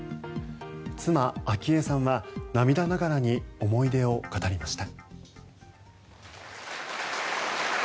妻・昭恵さんは涙ながらに思い出を語りました。